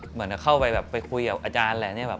เข้าไปไปคุยกับอาจารย์